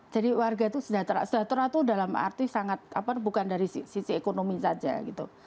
jadi warga itu sejahtera sejahtera itu dalam arti sangat bukan dari sisi ekonomi saja gitu